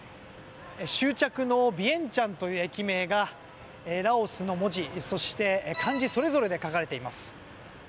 終着のビエンチャンという駅名がラオスの文字そして漢字それぞれで書かれています。